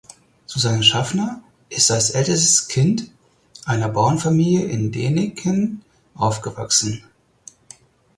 Susanne Schaffner ist als ältestes Kind einer Bauernfamilie in Däniken aufgewachsen.